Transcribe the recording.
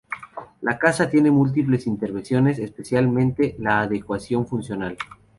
La casa tiene múltiples intervenciones especialmente en la adecuación funcional.